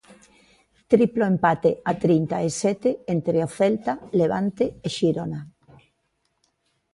Triplo empate a trinta e sete entre o Celta, Levante e Xirona.